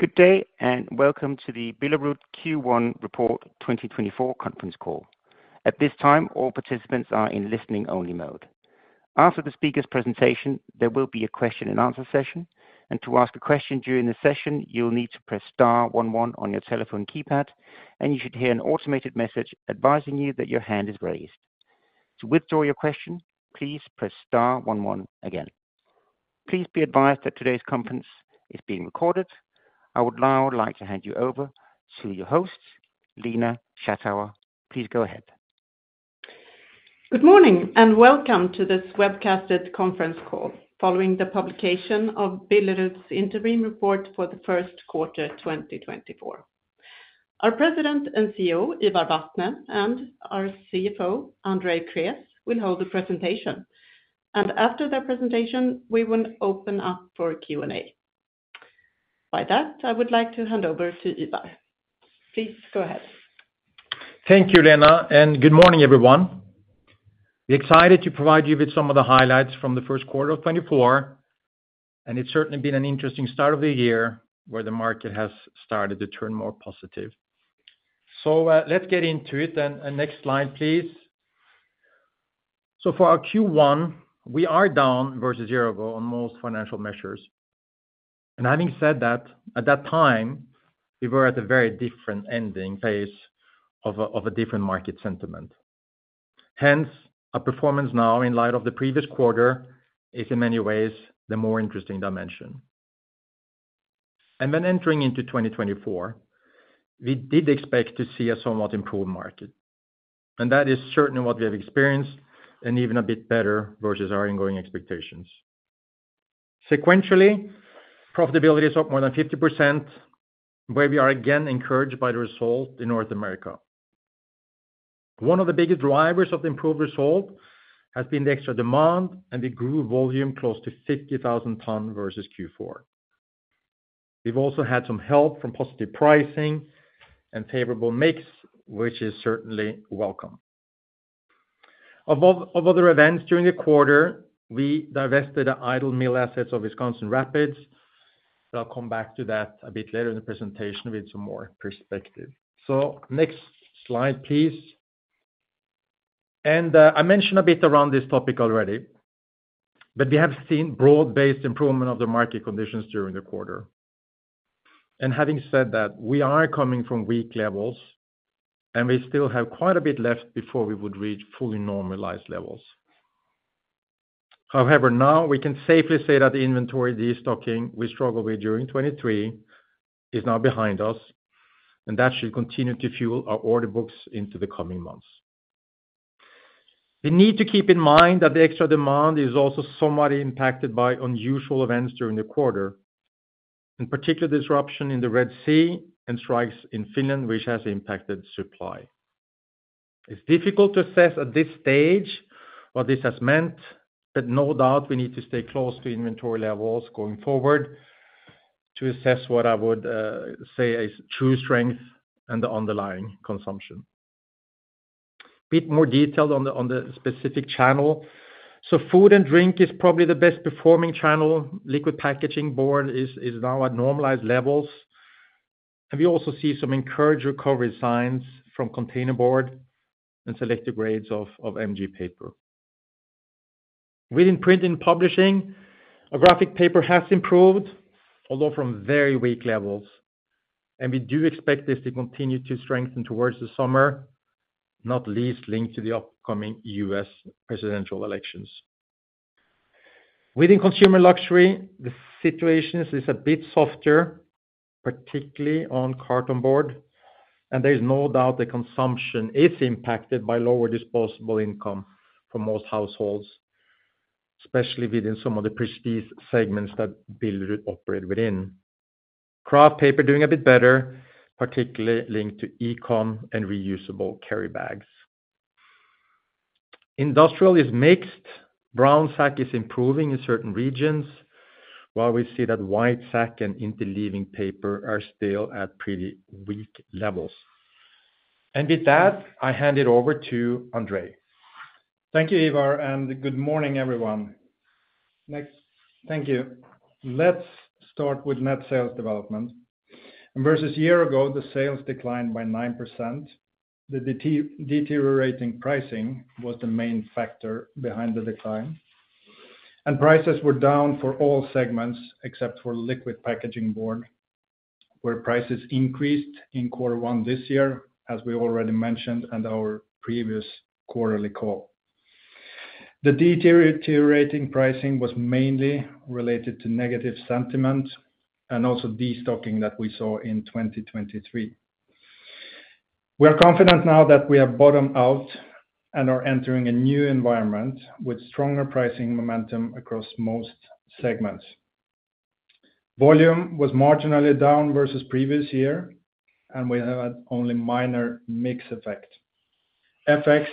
Good day, and welcome to the Billerud Q1 Report 2024 conference call. At this time, all participants are in listening-only mode. After the speaker's presentation, there will be a question and answer session, and to ask a question during the session, you'll need to press star one one on your telephone keypad, and you should hear an automated message advising you that your hand is raised. To withdraw your question, please press star one one again. Please be advised that today's conference is being recorded. I would now like to hand you over to your host, Lena Schattauer. Please go ahead. Good morning, and welcome to this webcasted conference call following the publication of Billerud's interim report for the first quarter, 2024. Our President and CEO, Ivar Vatne, and our CFO, Andrei Krés, will hold the presentation. After their presentation, we will open up for Q&A. By that, I would like to hand over to Ivar. Please go ahead. Thank you, Lena, and good morning, everyone. We're excited to provide you with some of the highlights from the first quarter of 2024, and it's certainly been an interesting start of the year, where the market has started to turn more positive. So, let's get into it, and, and next slide, please. So for our Q1, we are down versus a year ago on most financial measures. And having said that, at that time, we were at a very different ending phase of a, of a different market sentiment. Hence, our performance now in light of the previous quarter is in many ways the more interesting dimension. And when entering into 2024, we did expect to see a somewhat improved market, and that is certainly what we have experienced, and even a bit better versus our ongoing expectations. Sequentially, profitability is up more than 50%, where we are again encouraged by the result in North America. One of the biggest drivers of the improved result has been the extra demand, and we grew volume close to 50,000 tons versus Q4. We've also had some help from positive pricing and favorable mix, which is certainly welcome. Of other events during the quarter, we divested the idle mill assets of Wisconsin Rapids. I'll come back to that a bit later in the presentation with some more perspective. So next slide, please. And, I mentioned a bit around this topic already, but we have seen broad-based improvement of the market conditions during the quarter. And having said that, we are coming from weak levels, and we still have quite a bit left before we would reach fully normalized levels. However, now we can safely say that the inventory, destocking we struggled with during 2023 is now behind us, and that should continue to fuel our order books into the coming months. We need to keep in mind that the extra demand is also somewhat impacted by unusual events during the quarter, in particular, disruption in the Red Sea and strikes in Finland, which has impacted supply. It's difficult to assess at this stage what this has meant, but no doubt, we need to stay close to inventory levels going forward to assess what I would say is true strength and the underlying consumption. Bit more detailed on the specific channel. So food and drink is probably the best performing channel. Liquid packaging board is now at normalized levels, and we also see some encouraged recovery signs from container board and selective grades of MG paper. Within print and publishing, our graphic paper has improved, although from very weak levels, and we do expect this to continue to strengthen towards the summer, not least linked to the upcoming U.S. presidential elections. Within consumer luxury, the situation is a bit softer, particularly on carton board, and there is no doubt the consumption is impacted by lower disposable income for most households, especially within some of the prestige segments that Billerud operate within. Kraft paper doing a bit better, particularly linked to e-com and reusable carry bags. Industrial is mixed. Brown sack is improving in certain regions, while we see that white sack and interleaving paper are still at pretty weak levels. And with that, I hand it over to Andrei. Thank you, Ivar, and good morning, everyone. Next. Thank you. Let's start with net sales development. Versus year ago, the sales declined by 9%. The deteriorating pricing was the main factor behind the decline, and prices were down for all segments except for liquid packaging board, where prices increased in quarter one this year, as we already mentioned in our previous quarterly call. The deteriorating pricing was mainly related to negative sentiment and also destocking that we saw in 2023. We are confident now that we are bottomed out and are entering a new environment with stronger pricing momentum across most segments. Volume was marginally down versus previous year, and we have had only minor mix effect. FX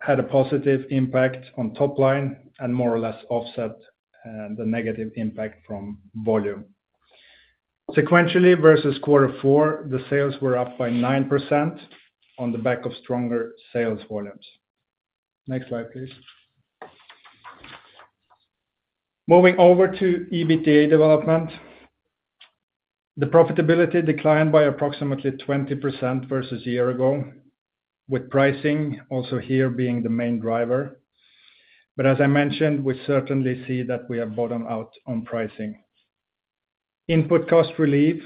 had a positive impact on top line and more or less offset the negative impact from volume. Sequentially versus quarter four, the sales were up by 9% on the back of stronger sales volumes. Next slide, please.... Moving over to EBITDA development, the profitability declined by approximately 20% versus a year ago, with pricing also here being the main driver. But as I mentioned, we certainly see that we have bottomed out on pricing. Input cost relief,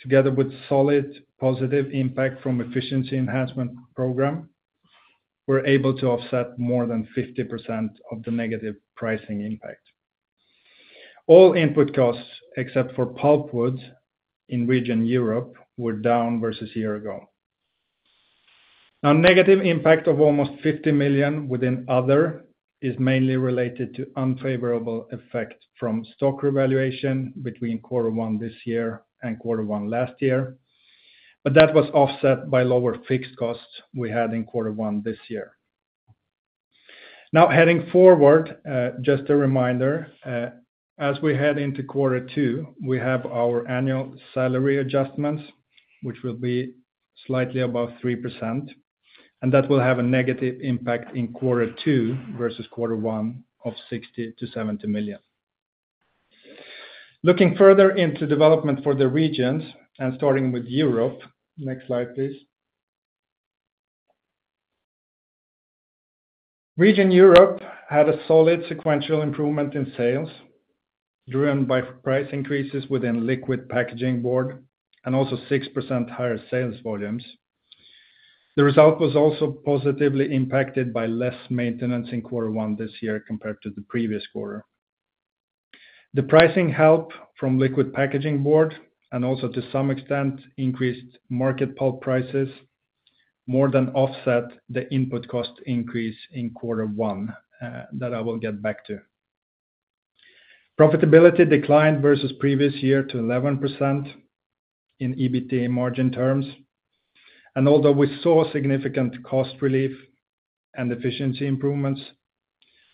together with solid positive impact from efficiency enhancement program, we're able to offset more than 50% of the negative pricing impact. All input costs, except for pulpwood in region Europe, were down versus a year ago. Now, negative impact of almost 50 million within other is mainly related to unfavorable effect from stock revaluation between quarter one this year and quarter one last year, but that was offset by lower fixed costs we had in quarter one this year. Now, heading forward, just a reminder, as we head into quarter two, we have our annual salary adjustments, which will be slightly above 3%, and that will have a negative impact in quarter two versus quarter one of 60 million-70 million. Looking further into development for the regions and starting with Europe. Next slide, please. Region Europe had a solid sequential improvement in sales, driven by price increases within liquid packaging board and also 6% higher sales volumes. The result was also positively impacted by less maintenance in quarter one this year compared to the previous quarter. The pricing help from liquid packaging board, and also to some extent, increased market pulp prices, more than offset the input cost increase in quarter one, that I will get back to. Profitability declined versus previous year to 11% in EBITDA margin terms, and although we saw significant cost relief and efficiency improvements,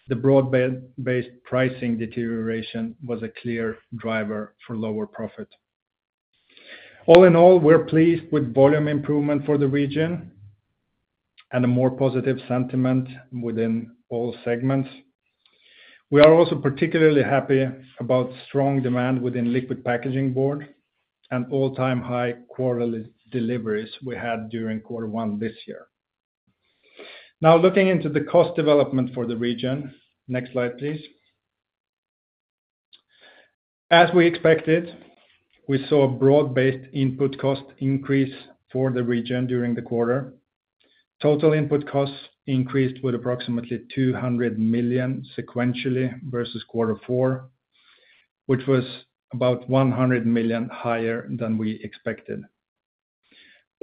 the broad-based pricing deterioration was a clear driver for lower profit. All in all, we're pleased with volume improvement for the region and a more positive sentiment within all segments. We are also particularly happy about strong demand within liquid packaging board and all-time high quarterly deliveries we had during quarter one this year. Now, looking into the cost development for the region. Next slide, please. As we expected, we saw a broad-based input cost increase for the region during the quarter. Total input costs increased with approximately 200 million sequentially versus quarter four, which was about 100 million higher than we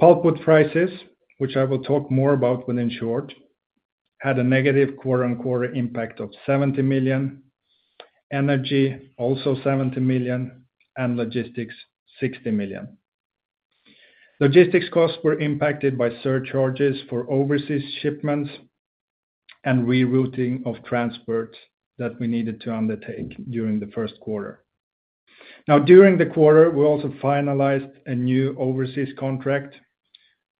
expected. Pulpwood prices, which I will talk more about when in short, had a negative quarter-on-quarter impact of 70 million, energy, also 70 million, and logistics, 60 million. Logistics costs were impacted by surcharges for overseas shipments and rerouting of transports that we needed to undertake during the first quarter. Now, during the quarter, we also finalized a new overseas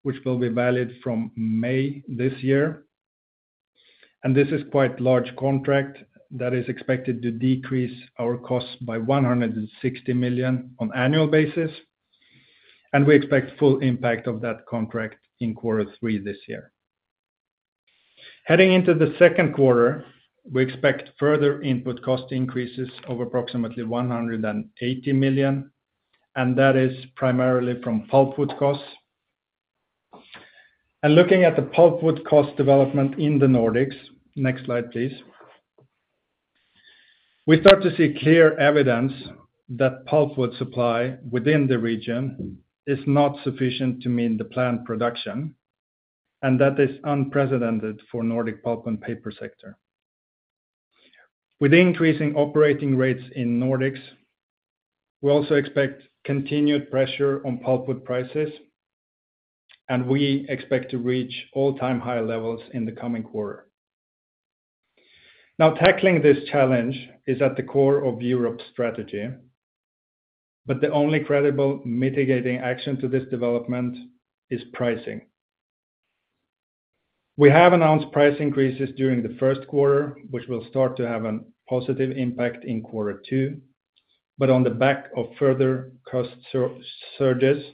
contract, which will be valid from May this year, and this is quite large contract that is expected to decrease our costs by 160 million on annual basis, and we expect full impact of that contract in quarter three this year. Heading into the second quarter, we expect further input cost increases of approximately 180 million, and that is primarily from pulpwood costs. Looking at the pulpwood cost development in the Nordics, next slide, please. We start to see clear evidence that pulpwood supply within the region is not sufficient to meet the planned production, and that is unprecedented for Nordic pulp and paper sector. With increasing operating rates in Nordics, we also expect continued pressure on pulpwood prices, and we expect to reach all-time high levels in the coming quarter. Now, tackling this challenge is at the core of Europe's strategy, but the only credible mitigating action to this development is pricing. We have announced price increases during the first quarter, which will start to have a positive impact in quarter two, but on the back of further cost surges,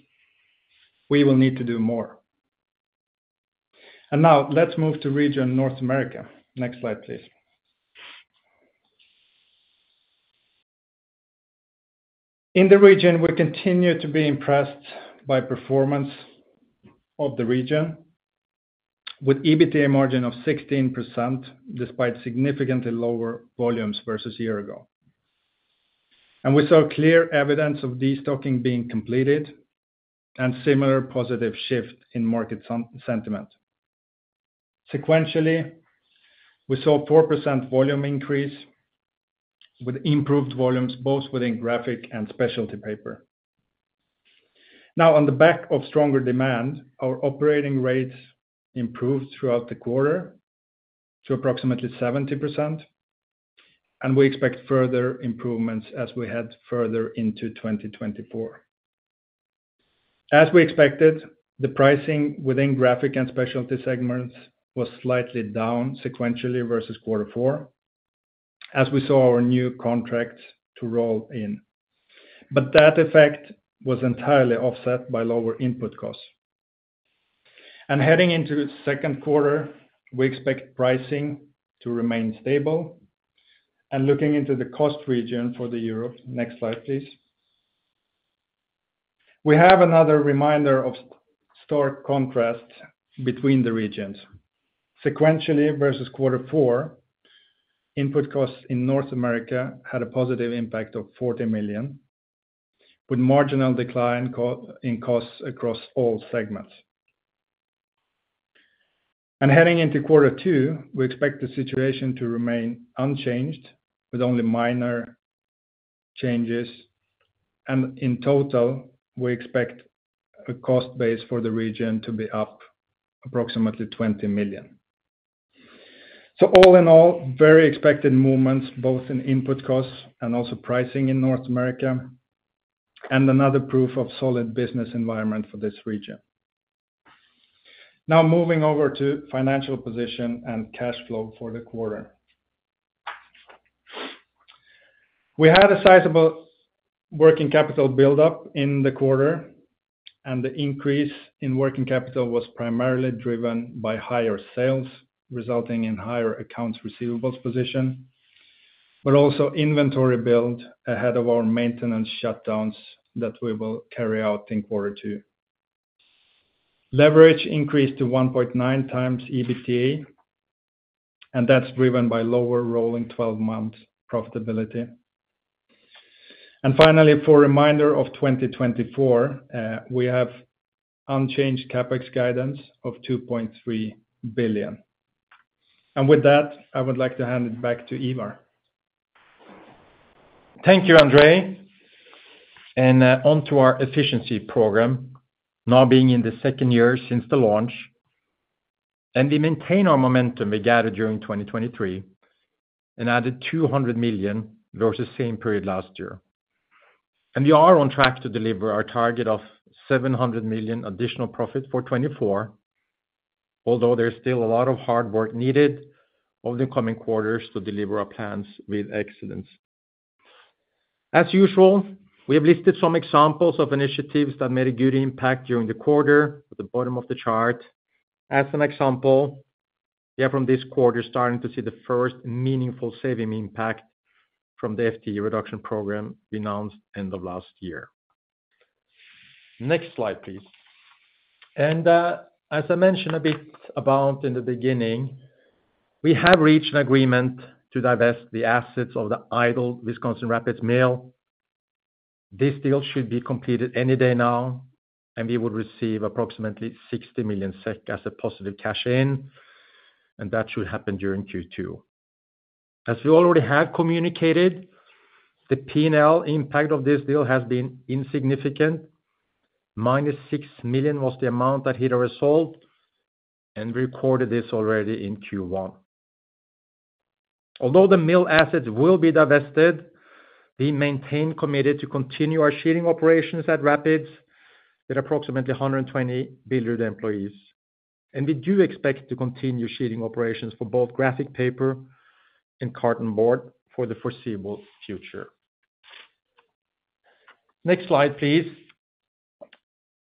we will need to do more. And now, let's move to region North America. Next slide, please. In the region, we continue to be impressed by performance of the region, with EBITDA margin of 16%, despite significantly lower volumes versus a year ago. We saw clear evidence of destocking being completed and similar positive shift in market sentiment. Sequentially, we saw 4% volume increase, with improved volumes both within graphic and specialty paper. Now, on the back of stronger demand, our operating rates improved throughout the quarter to approximately 70%, and we expect further improvements as we head further into 2024. As we expected, the pricing within graphic and specialty segments was slightly down sequentially versus quarter four, as we saw our new contracts to roll in. But that effect was entirely offset by lower input costs. And heading into the second quarter, we expect pricing to remain stable, and looking into the cost region for Europe. Next slide, please. We have another reminder of stark contrast between the regions. Sequentially versus quarter four, input costs in North America had a positive impact of 40 million, with marginal decline in costs across all segments. Heading into quarter two, we expect the situation to remain unchanged, with only minor changes. In total, we expect a cost base for the region to be up approximately 20 million. So all in all, very expected movements, both in input costs and also pricing in North America, and another proof of solid business environment for this region. Now, moving over to financial position and cash flow for the quarter. We had a sizable working capital buildup in the quarter, and the increase in working capital was primarily driven by higher sales, resulting in higher accounts receivables position, but also inventory build ahead of our maintenance shutdowns that we will carry out in quarter two. Leverage increased to 1.9x EBITDA, and that's driven by lower rolling twelve-month profitability. And finally, for a reminder of 2024, we have unchanged CapEx guidance of 2.3 billion. And with that, I would like to hand it back to Ivar. Thank you, Andrei. On to our efficiency program, now being in the second year since the launch, and we maintain our momentum we gathered during 2023 and added 200 million versus same period last year. We are on track to deliver our target of 700 million additional profit for 2024, although there's still a lot of hard work needed over the coming quarters to deliver our plans with excellence. As usual, we have listed some examples of initiatives that made a good impact during the quarter at the bottom of the chart. As an example, yeah, from this quarter, starting to see the first meaningful saving impact from the FTE reduction program announced end of last year. Next slide, please. As I mentioned a bit about in the beginning, we have reached an agreement to divest the assets of the idle Wisconsin Rapids mill. This deal should be completed any day now, and we will receive approximately 60 million SEK as a positive cash-in, and that should happen during Q2. As we already have communicated, the P&L impact of this deal has been insignificant. -6 million SEK was the amount that hit our result, and we recorded this already in Q1. Although the mill assets will be divested, we remain committed to continue our sheeting operations at Rapids, with approximately 120 employees. And we do expect to continue sheeting operations for both graphic paper and carton board for the foreseeable future. Next slide, please.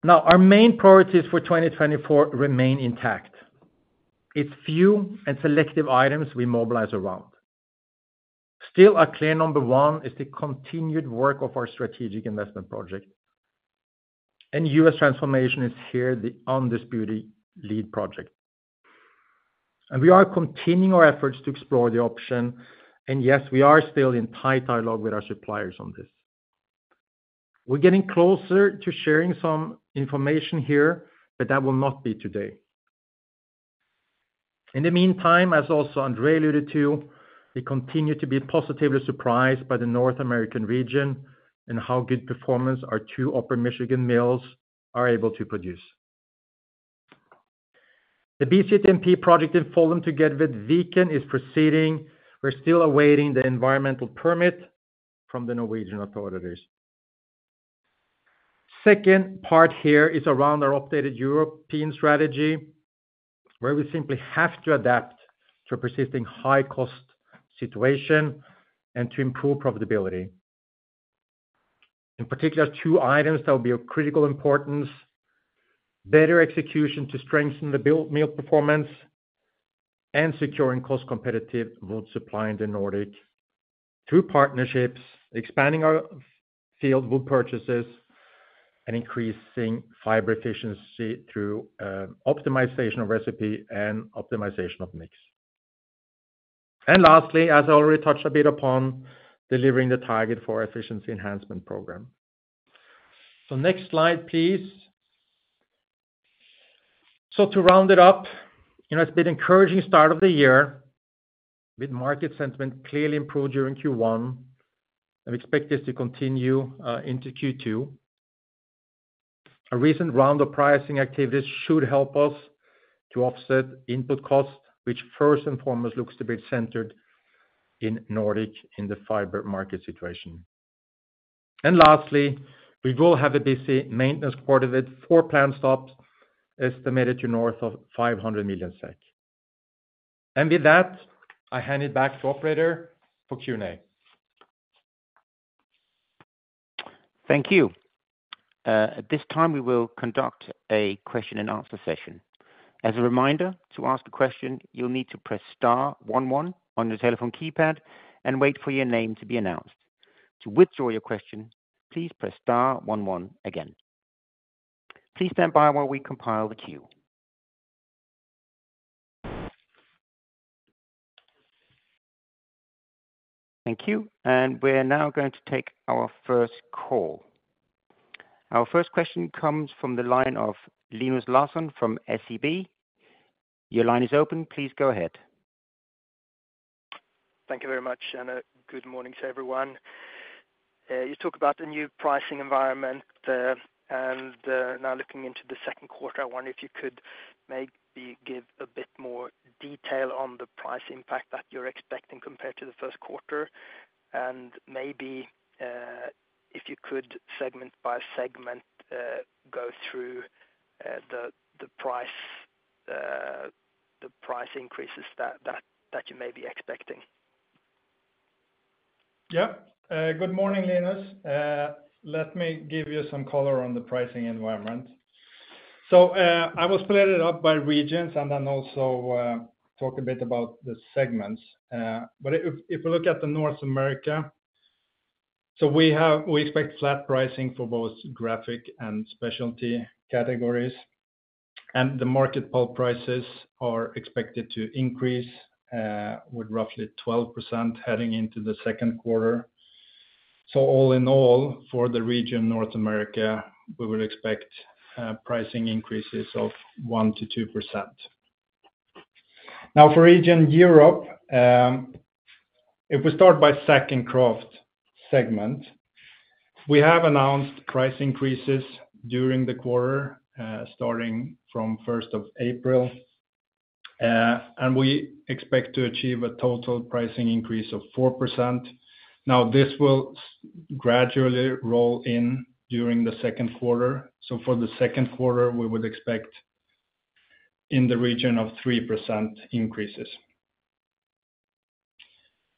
Now, our main priorities for 2024 remain intact. It's few and selective items we mobilize around. Still, our clear number one is the continued work of our strategic investment project, and U.S. transformation is here, the undisputed lead project. We are continuing our efforts to explore the option, and yes, we are still in tight dialogue with our suppliers on this. We're getting closer to sharing some information here, but that will not be today. In the meantime, as also Andrei alluded to, we continue to be positively surprised by the North American region and how good performance our two Upper Michigan mills are able to produce. The BCTMP project in Follum together with Viken is proceeding. We're still awaiting the environmental permit from the Norwegian authorities. Second part here is around our updated European strategy, where we simply have to adapt to a persisting high-cost situation and to improve profitability. In particular, two items that will be of critical importance: better execution to strengthen the build mill performance and securing cost-competitive wood supply in the Nordic through partnerships, expanding our field wood purchases, and increasing fiber efficiency through optimization of recipe and optimization of mix. And lastly, as I already touched a bit upon, delivering the target for our efficiency enhancement program. Next slide, please. To round it up, you know, it's been encouraging start of the year, with market sentiment clearly improved during Q1, and we expect this to continue into Q2. A recent round of pricing activities should help us-... to offset input costs, which first and foremost, looks to be centered in Nordic, in the fiber market situation. And lastly, we will have a busy maintenance quarter with 4 plant stops, estimated to north of 500 million SEK. And with that, I hand it back to operator for Q&A. Thank you. At this time, we will conduct a question and answer session. As a reminder, to ask a question, you'll need to press star one one on your telephone keypad and wait for your name to be announced. To withdraw your question, please press star one one again. Please stand by while we compile the queue. Thank you, and we're now going to take our first call. Our first question comes from the line of Linus Larsson from SEB. Your line is open, please go ahead. Thank you very much, and good morning to everyone. You talk about the new pricing environment, and now looking into the second quarter, I wonder if you could maybe give a bit more detail on the price impact that you're expecting compared to the first quarter, and maybe if you could segment by segment go through the price increases that you may be expecting. Yeah. Good morning, Linus. Let me give you some color on the pricing environment. So, I will split it up by regions, and then also talk a bit about the segments. But if we look at North America, so we have, we expect flat pricing for both graphic and specialty categories, and the market pulp prices are expected to increase with roughly 12% heading into the second quarter. So all in all, for the region North America, we would expect pricing increases of 1%-2%. Now, for region Europe, if we start by Sack and Kraft segment, we have announced price increases during the quarter starting from first of April. And we expect to achieve a total pricing increase of 4%. Now, this will gradually roll in during the second quarter, so for the second quarter, we would expect in the region of 3% increases.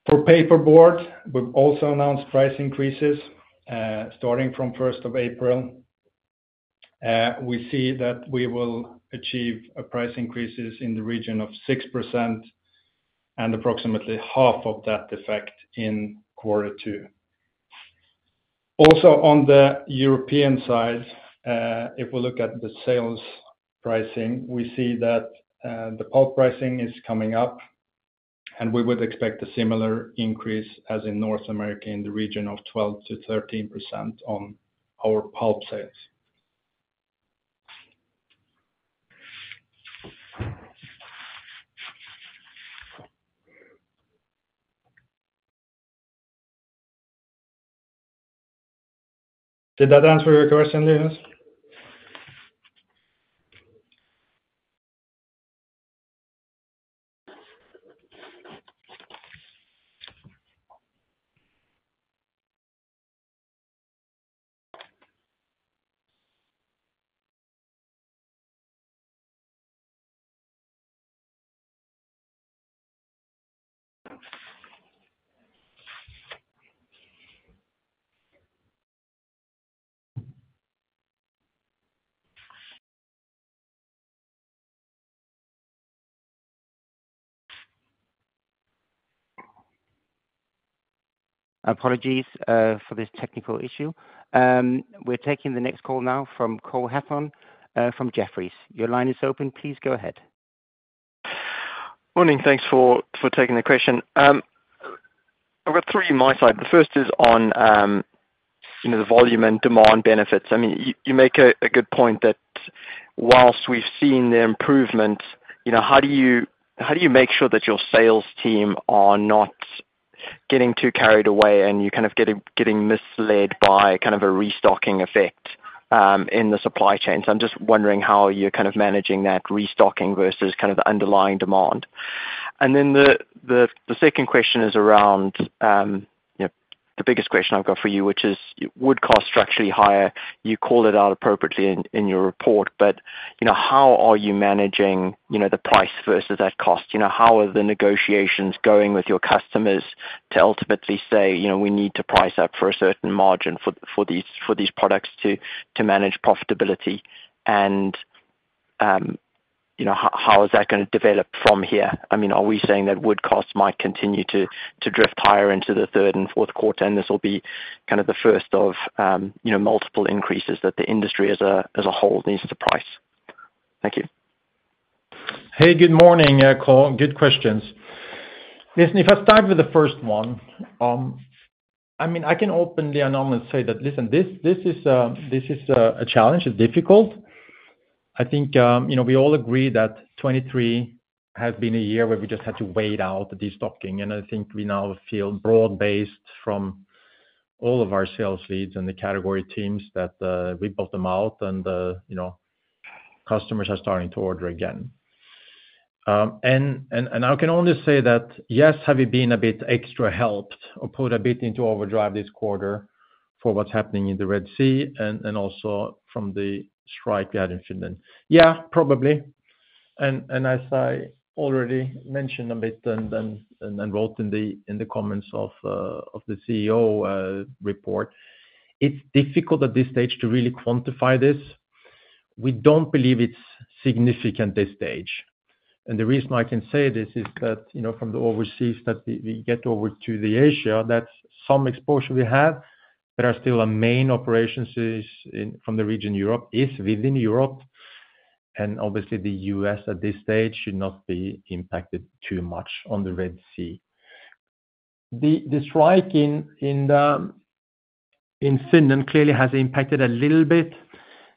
For paperboard, we've also announced price increases, starting from first of April. We see that we will achieve a price increases in the region of 6%, and approximately half of that effect in quarter two. Also, on the European side, if we look at the sales pricing, we see that, the pulp pricing is coming up, and we would expect a similar increase as in North America, in the region of 12%-13% on our pulp sales. Did that answer your question, Linus? Apologies for this technical issue. We're taking the next call now from Cole Hathorn from Jefferies. Your line is open, please go ahead. Morning, thanks for taking the question. I've got three on my side. The first is on, you know, the volume and demand benefits. I mean, you make a good point that whilst we've seen the improvement, you know, how do you make sure that your sales team are not getting too carried away, and you're kind of getting misled by kind of a restocking effect in the supply chain? So I'm just wondering how you're kind of managing that restocking versus kind of the underlying demand. And then the second question is around, you know, the biggest question I've got for you, which is, wood cost structurally higher. You called it out appropriately in your report, but, you know, how are you managing, you know, the price versus that cost? You know, how are the negotiations going with your customers to ultimately say, "You know, we need to price up for a certain margin for these products to manage profitability?" And, you know, how is that gonna develop from here? I mean, are we saying that wood costs might continue to drift higher into the third and fourth quarter, and this will be kind of the first of, you know, multiple increases that the industry as a whole needs to price? Thank you. Hey, good morning, Cole. Good questions. Listen, if I start with the first one, I mean, I can openly acknowledge and say that, listen, this is a challenge. It's difficult. I think, you know, we all agree that 2023 has been a year where we just had to wait out the stocking, and I think we now feel broad-based from-... all of our sales leads and the category teams that we built them out, and you know, customers are starting to order again. And I can only say that, yes, have we been a bit extra helped or put a bit into overdrive this quarter for what's happening in the Red Sea and also from the strike we had in Finland? Yeah, probably, and as I already mentioned a bit and wrote in the comments of the CEO report, it's difficult at this stage to really quantify this. We don't believe it's significant this stage, and the reason I can say this is that, you know, from the overseas that we, we get over to the Asia, that's some exposure we have, but are still our main operations is in, from the region Europe, is within Europe, and obviously the U.S. at this stage should not be impacted too much on the Red Sea. The, the strike in, in, in Finland clearly has impacted a little bit.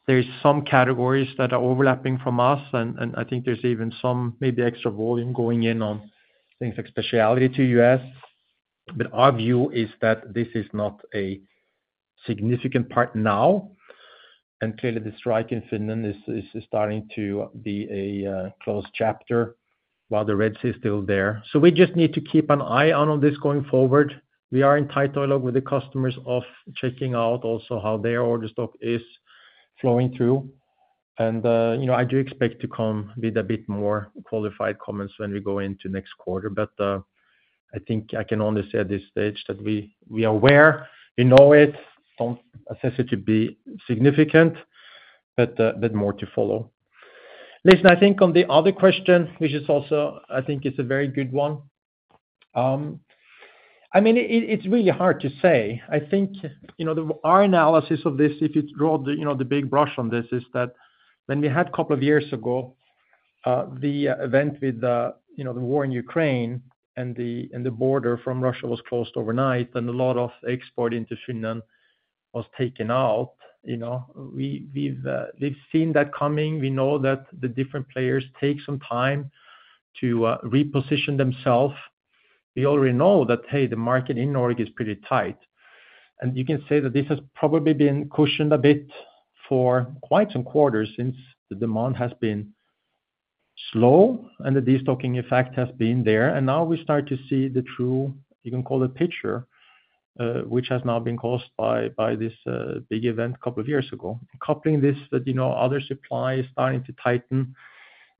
There is some categories that are overlapping from us, and, and I think there's even some maybe extra volume going in on things like specialty to U.S. But our view is that this is not a significant part now, and clearly the strike in Finland is, is starting to be a, closed chapter, while the Red Sea is still there. So we just need to keep an eye on this going forward. We are in tight dialogue with the customers of checking out also how their order stock is flowing through, and you know, I do expect to come with a bit more qualified comments when we go into next quarter, but I think I can only say at this stage that we are aware, we know it, don't assess it to be significant, but more to follow. Listen, I think on the other question, which is also, I think it's a very good one, I mean, it's really hard to say. I think, you know, our analysis of this, if you draw the, you know, the big brush on this, is that when we had couple of years ago, the event with the, you know, the war in Ukraine, and the border from Russia was closed overnight, and a lot of export into Finland was taken out. You know, we, we've seen that coming. We know that the different players take some time to reposition themselves. We already know that, hey, the market in Nordic is pretty tight, and you can say that this has probably been cushioned a bit for quite some quarters since the demand has been slow, and the destocking effect has been there, and now we start to see the true, you can call it picture, which has now been caused by this big event a couple of years ago. Coupling this with, you know, other suppliers starting to tighten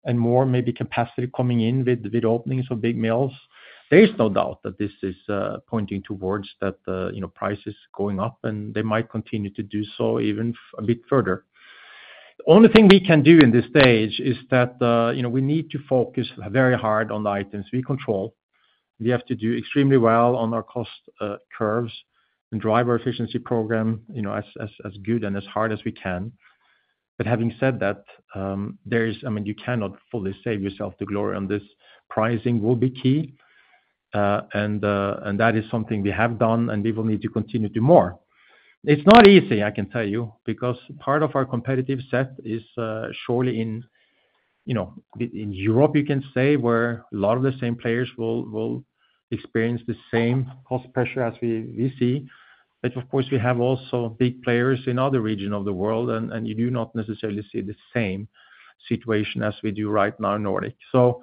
and more maybe capacity coming in with openings of big mills, there is no doubt that this is pointing towards that, you know, prices going up, and they might continue to do so even a bit further. The only thing we can do in this stage is that, you know, we need to focus very hard on the items we control. We have to do extremely well on our cost curves and drive our efficiency program, you know, as good and as hard as we can. But having said that, there is... I mean, you cannot fully save yourself the glory on this. Pricing will be key, and that is something we have done, and we will need to continue to do more. It's not easy, I can tell you, because part of our competitive set is surely in, you know, in Europe, you can say, where a lot of the same players will experience the same cost pressure as we see. But of course, we have also big players in other region of the world, and you do not necessarily see the same situation as we do right now in Nordic. So,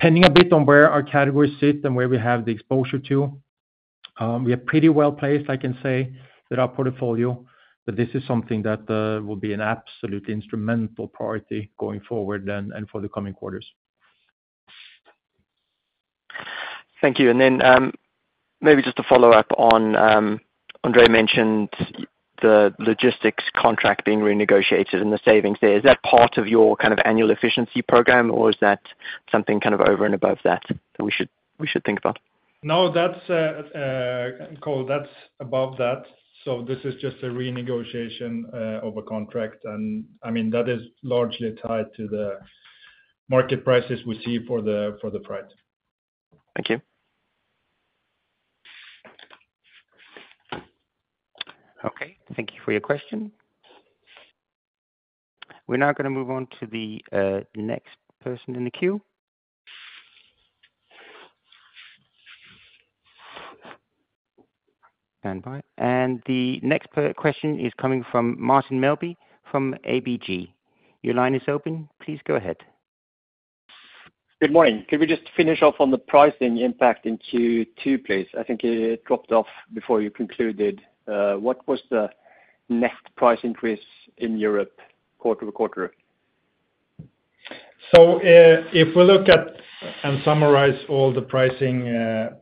pending a bit on where our categories sit and where we have the exposure to, we are pretty well placed, I can say, with our portfolio, but this is something that will be an absolute instrumental priority going forward and for the coming quarters. Thank you. And then, maybe just to follow up on, Andrei mentioned the logistics contract being renegotiated and the savings there. Is that part of your kind of annual efficiency program, or is that something kind of over and above that, that we should think about? No, that's, Cole, that's above that. So this is just a renegotiation of a contract, and, I mean, that is largely tied to the market prices we see for the, for the freight. Thank you. Okay, thank you for your question. We're now gonna move on to the next person in the queue. Standby. The next question is coming from Martin Melbye, from ABG. Your line is open. Please go ahead. Good morning. Could we just finish off on the pricing impact in Q2, please? I think it, it dropped off before you concluded. What was the net price increase in Europe quarter-over-quarter? If we look at and summarize all the pricing,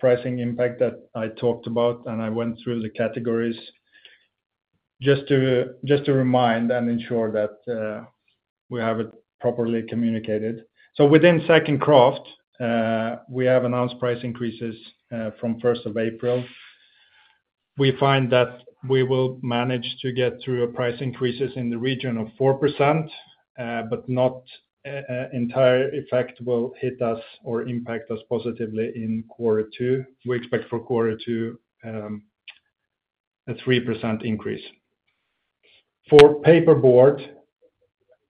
pricing impact that I talked about, and I went through the categories, just to, just to remind and ensure that, we have it properly communicated. Within second quarter, we have announced price increases, from first of April. We find that we will manage to get through a price increases in the region of 4%, but not, a entire effect will hit us or impact us positively in quarter two. We expect for quarter two, a 3% increase. For paperboard,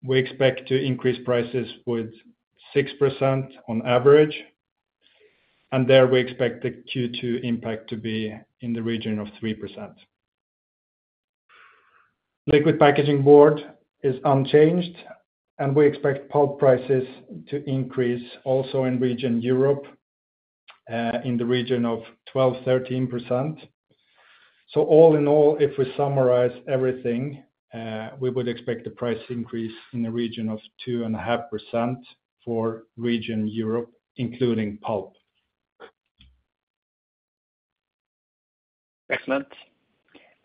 we expect to increase prices with 6% on average, and there we expect the Q2 impact to be in the region of 3%. Liquid packaging board is unchanged, and we expect pulp prices to increase also in region Europe, in the region of 12%-13%. So all in all, if we summarize everything, we would expect the price increase in the region of 2.5% for region Europe, including pulp. Excellent.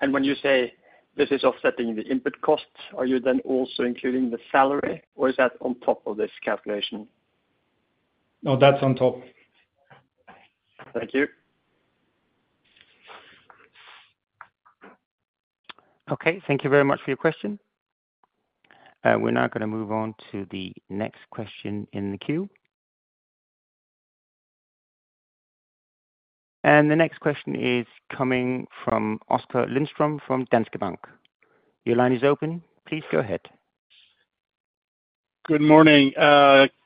And when you say this is offsetting the input costs, are you then also including the salary, or is that on top of this calculation? No, that's on top. Thank you. Okay, thank you very much for your question. We're now gonna move on to the next question in the queue. The next question is coming from Oskar Lindström from Danske Bank. Your line is open. Please go ahead. Good morning.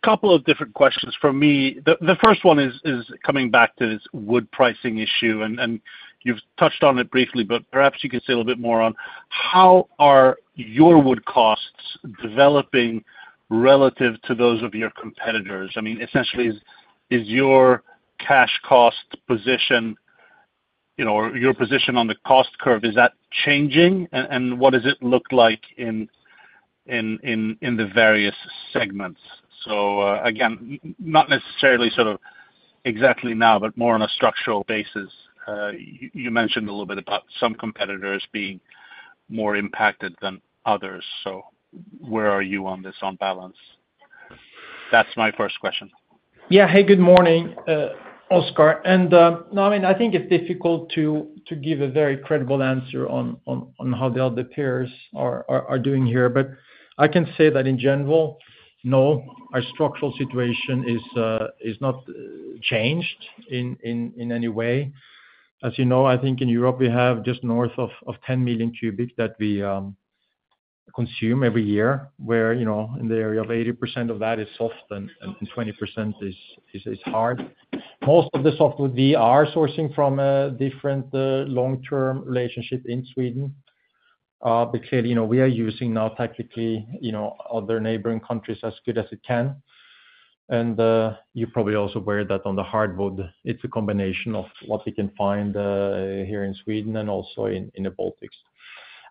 Couple of different questions from me. The first one is coming back to this wood pricing issue, and you've touched on it briefly, but perhaps you could say a little bit more on how are your wood costs developing relative to those of your competitors? I mean, essentially, is your cash cost position, you know, or your position on the cost curve, is that changing? And what does it look like in the various segments? So, again, not necessarily sort of exactly now, but more on a structural basis. You mentioned a little bit about some competitors being more impacted than others, so where are you on this, on balance? That's my first question. Yeah. Hey, good morning, Oskar, and no, I mean, I think it's difficult to give a very credible answer on how the other peers are doing here, but I can say that in general, no, our structural situation is not changed in any way. As you know, I think in Europe, we have just north of 10 million cubic that we consume every year, where, you know, in the area of 80% of that is soft and 20% is hard. Most of the softwood we are sourcing from a different long-term relationship in Sweden, because, you know, we are using now technically other neighboring countries as good as it can. You're probably also aware that on the hardwood, it's a combination of what we can find here in Sweden and also in the Baltics.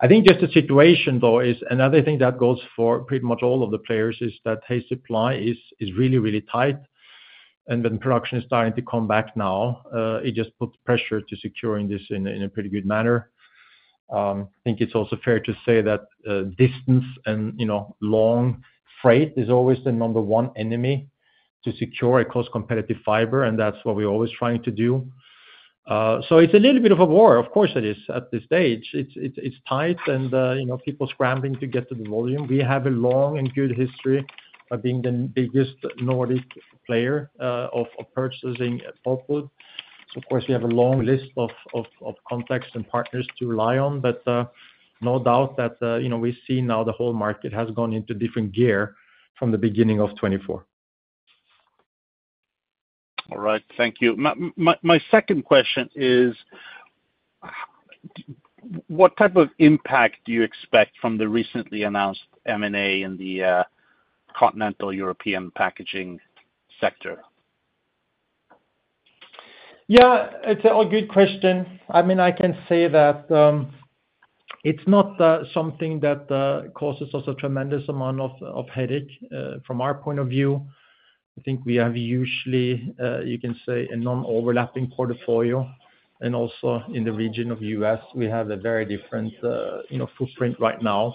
I think just the situation, though, is another thing that goes for pretty much all of the players, is that wood supply is really, really tight, and when production is starting to come back now, it just puts pressure to securing this in a pretty good manner. I think it's also fair to say that distance and, you know, long freight is always the number one enemy to secure a close competitive fiber, and that's what we're always trying to do. So it's a little bit of a war. Of course it is, at this stage. It's tight, and, you know, people scrambling to get to the volume. We have a long and good history of being the biggest Nordic player of purchasing output. So of course, we have a long list of contacts and partners to rely on, but no doubt that you know, we see now the whole market has gone into different gear from the beginning of 2024. All right. Thank you. My second question is: What type of impact do you expect from the recently announced M&A in the continental European packaging sector? Yeah, it's a good question. I mean, I can say that, it's not, something that, causes us a tremendous amount of headache, from our point of view. I think we have usually, you can say, a non-overlapping portfolio, and also in the region of U.S., we have a very different, you know, footprint right now.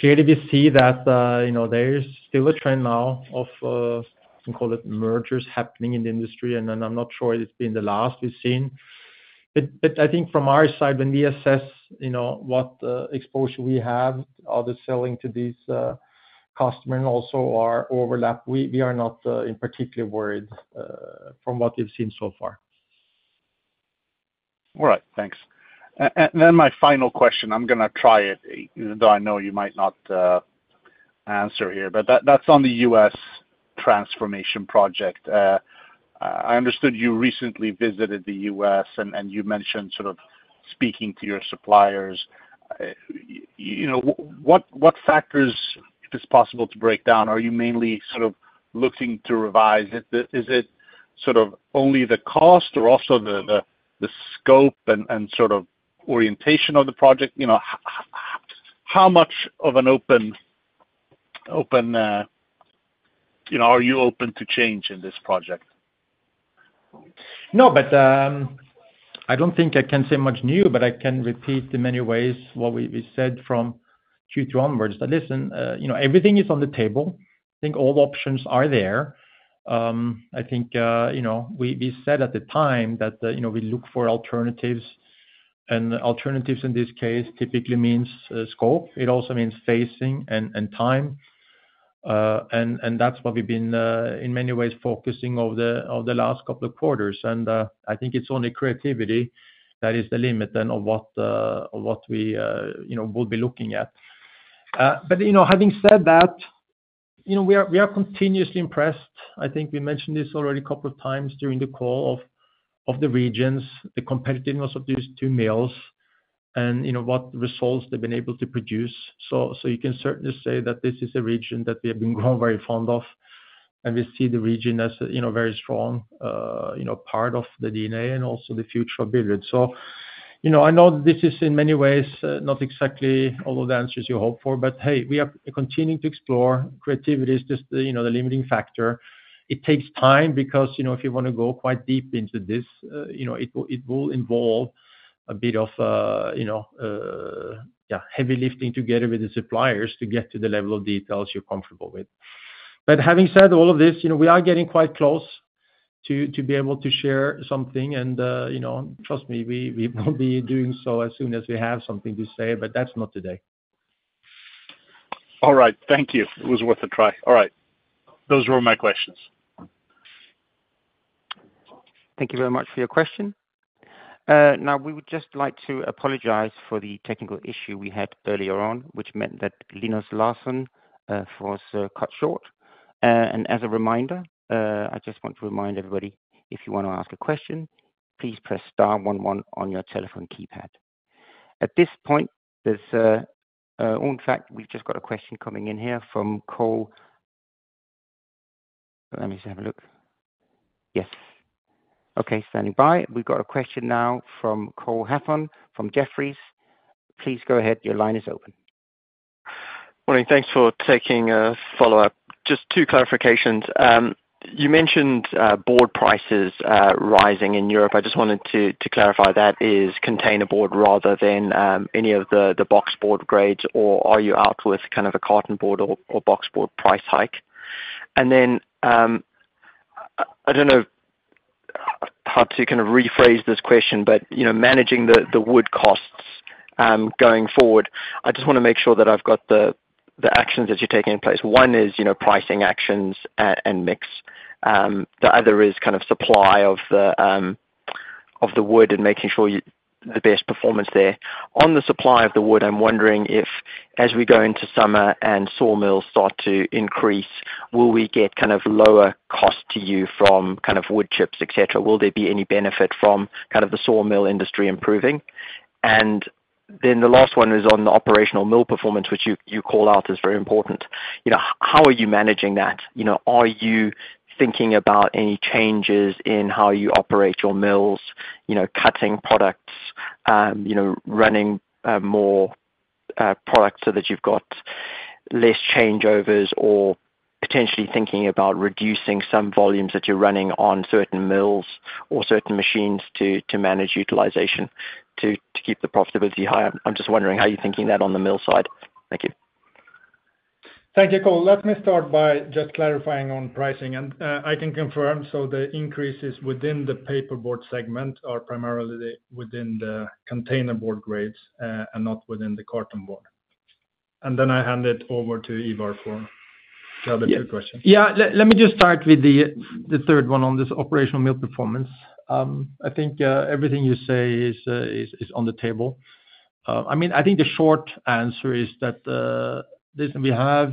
Clearly, we see that, you know, there is still a trend now of, you can call it, mergers happening in the industry, and then I'm not sure it's been the last we've seen. But, I think from our side, when we assess, you know, what, exposure we have, are they selling to these, customer and also our overlap, we are not, in particular worried, from what we've seen so far. All right. Thanks. And then my final question, I'm gonna try it, even though I know you might not answer here, but that's on the U.S. transformation project. I understood you recently visited the U.S., and you mentioned sort of speaking to your suppliers. You know, what factors, if it's possible to break down, are you mainly sort of looking to revise? Is it sort of only the cost or also the scope and sort of orientation of the project? You know, how open, you know, are you open to change in this project? No, but I don't think I can say much new, but I can repeat the many ways what we said from Q2 onwards. That listen, you know, everything is on the table. I think all options are there. I think, you know, we said at the time that, you know, we look for alternatives, and alternatives, in this case, typically means scope. It also means phasing and, and time. And that's what we've been, in many ways focusing over the, of the last couple of quarters. And I think it's only creativity that is the limit then of what, of what we, you know, will be looking at. But, you know, having said that, you know, we are, we are continuously impressed. I think we mentioned this already a couple of times during the call of the regions, the competitiveness of these two mills, and, you know, what results they've been able to produce. So you can certainly say that this is a region that we have been grown very fond of, and we see the region as, you know, very strong, you know, part of the DNA and also the future of Billerud. So, you know, I know this is in many ways, not exactly all of the answers you hope for, but, hey, we are continuing to explore. Creativity is just, you know, the limiting factor. It takes time because, you know, if you wanna go quite deep into this, you know, it will involve a bit of, you know, yeah, heavy lifting together with the suppliers to get to the level of details you're comfortable with. But having said all of this, you know, we are getting quite close to be able to share something, and, you know, trust me, we will be doing so as soon as we have something to say, but that's not today. All right. Thank you. It was worth a try. All right. Those were all my questions. Thank you very much for your question. Now, we would just like to apologize for the technical issue we had earlier on, which meant that Linus Larsson was cut short. And as a reminder, I just want to remind everybody, if you wanna ask a question, please press star one one on your telephone keypad. At this point, there's. In fact, we've just got a question coming in here from Cole. Let me just have a look. Yes. Okay, standing by. We've got a question now from Cole Hathorn from Jefferies. Please go ahead. Your line is open. Morning. Thanks for taking follow-up. Just two clarifications. You mentioned board prices rising in Europe. I just wanted to clarify that is container board rather than any of the box board grades, or are you out with kind of a carton board or box board price hike? And then, I don't know how to kind of rephrase this question, but, you know, managing the wood costs going forward, I just wanna make sure that I've got the actions that you're taking in place. One is, you know, pricing actions, and mix. The other is kind of supply of the wood and making sure you... the best performance there. On the supply of the wood, I'm wondering if, as we go into summer and sawmills start to increase, will we get kind of lower cost to you from kind of wood chips, et cetera? Will there be any benefit from kind of the sawmill industry improving? And then the last one is on the operational mill performance, which you call out is very important. You know, how are you managing that? You know, are you thinking about any changes in how you operate your mills, you know, cutting products, you know, running more products so that you've got less changeovers, or potentially thinking about reducing some volumes that you're running on certain mills or certain machines to manage utilization to keep the profitability high? I'm just wondering how you're thinking that on the mill side. Thank you. Thank you, Cole. Let me start by just clarifying on pricing, and, I can confirm, so the increases within the paperboard segment are primarily within the containerboard grades, and not within the cartonboard. And then I hand it over to Ivar for the other two questions. Yeah, let me just start with the third one on this operational mill performance. I think everything you say is on the table. I mean, I think the short answer is that, listen, we have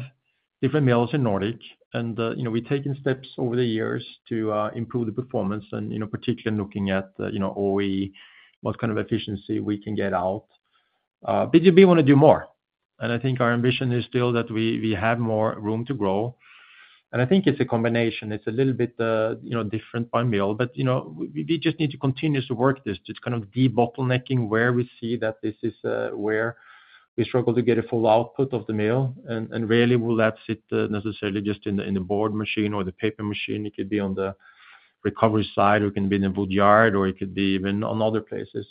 different mills in Nordic, and you know, we've taken steps over the years to improve the performance and, you know, particularly looking at OE, what kind of efficiency we can get out. But we wanna do more, and I think our ambition is still that we have more room to grow. And I think it's a combination. It's a little bit, you know, different by mill, but you know, we just need to continue to work this. Just kind of debottlenecking where we see that this is where we struggle to get a full output of the mill, and rarely will that sit necessarily just in the board machine or the paper machine. It could be on the recovery side, or it can be in the wood yard, or it could be even on other places,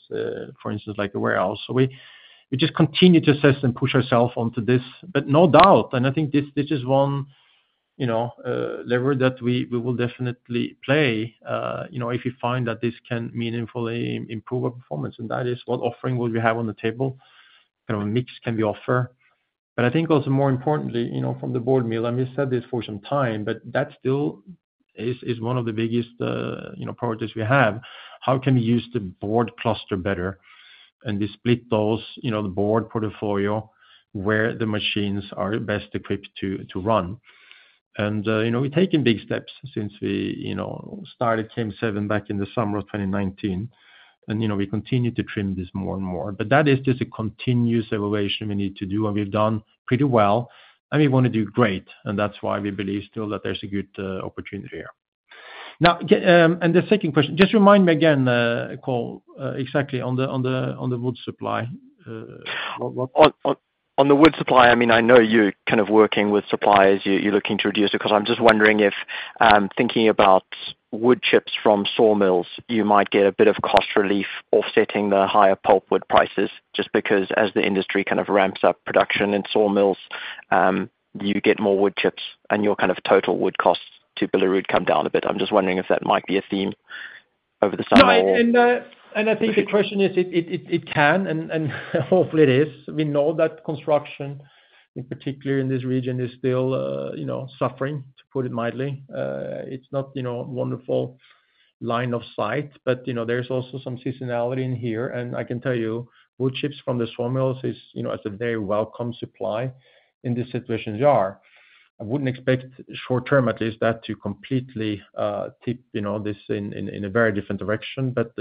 for instance, like a warehouse. So we just continue to assess and push ourself onto this. But no doubt, and I think this is one, you know, lever that we will definitely play, you know, if we find that this can meaningfully improve our performance, and that is what offering will we have on the table, kind of mix can we offer? But I think also more importantly, you know, from the board mill, and we said this for some time, but that still is one of the biggest, you know, priorities we have: how can we use the board cluster better? And we split those, you know, the board portfolio where the machines are best equipped to run. And, you know, we've taken big steps since we, you know, started KM7 back in the summer of 2019, and, you know, we continue to trim this more and more. But that is just a continuous evaluation we need to do, and we've done pretty well, and we wanna do great, and that's why we believe still that there's a good opportunity here. Now, and the second question, just remind me again, Cole, exactly on the wood supply, I mean, I know you're kind of working with suppliers. You're looking to reduce it. 'Cause I'm just wondering if, thinking about wood chips from sawmills, you might get a bit of cost relief offsetting the higher pulpwood prices, just because as the industry kind of ramps up production in sawmills, you get more wood chips, and your kind of total wood costs to Billerud come down a bit. I'm just wondering if that might be a theme over the summer or- No, and I think the question is, it can and hopefully it is. We know that construction, in particular in this region, is still, you know, suffering, to put it mildly. It's not, you know, wonderful line of sight, but, you know, there's also some seasonality in here, and I can tell you, wood chips from the sawmills is, you know, a very welcome supply in the situation we are. I wouldn't expect short term, at least, that to completely tip, you know, this in a very different direction. But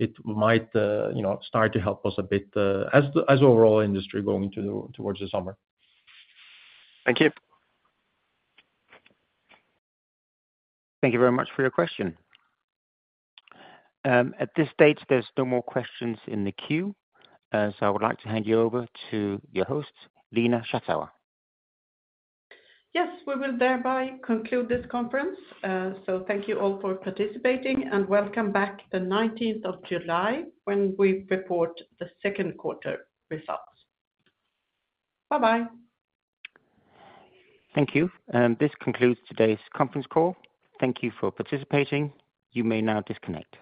yes, it might, you know, start to help us a bit, as overall industry going towards the summer. Thank you. Thank you very much for your question. At this stage, there's no more questions in the queue, so I would like to hand you over to your host, Lena Schattauer. Yes, we will thereby conclude this conference. So thank you all for participating, and welcome back the nineteenth of July, when we report the second quarter results. Bye-bye. Thank you. And this concludes today's conference call. Thank you for participating. You may now disconnect.